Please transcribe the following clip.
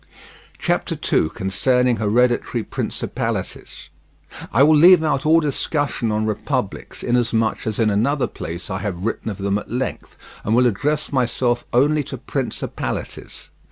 CHAPTER II. CONCERNING HEREDITARY PRINCIPALITIES I will leave out all discussion on republics, inasmuch as in another place I have written of them at length, and will address myself only to principalities.